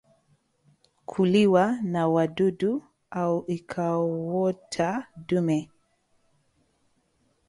, kuliwa na wadudu au ikaota dume